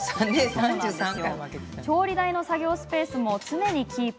調理台の作業スペースも常にキープ。